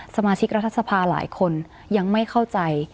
สมาชิกรัฐสภาหลายคนยังไม่เข้าใจ